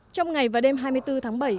trong ngày và đêm hai mươi bốn tháng bảy